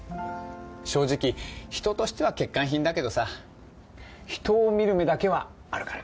正直人としては欠陥品だけどさ人を見る目だけはあるから。